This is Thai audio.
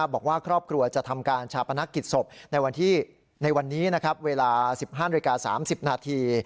บอกว่าครอบครัวจะทำการชาปนกิจศพในวันนี้เวลา๑๕นาฬิกา๓๐นาที